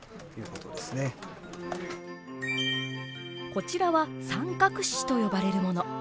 こちらは三角紙と呼ばれるもの。